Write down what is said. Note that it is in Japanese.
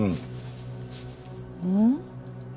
うん？